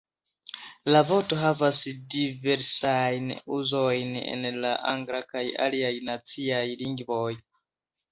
La vorto havas diversajn uzojn en la angla kaj aliaj naciaj lingvoj.